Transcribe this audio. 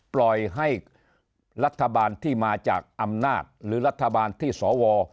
ปล่อยให้รัฐบาลที่มาจากอำนาจหรือรัฐบาลที่สว